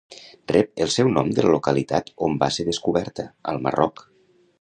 Rep el seu nom de la localitat on va ser descoberta, al Marroc.